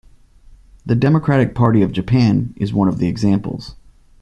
The Democratic Party of Japan is one of the examples.